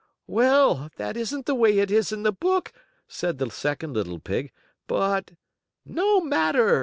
"Well, that isn't the way it is in the book," said the second little pig. "But " "No matter!"